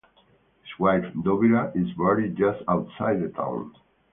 His wife Dobira is buried just outside the town.